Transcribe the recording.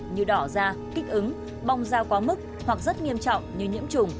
như đỏ da kích ứng bong dao quá mức hoặc rất nghiêm trọng như nhiễm trùng